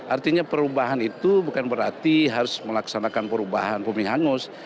artinya perubahan itu bukan berarti harus melaksanakan perubahan bumi hangus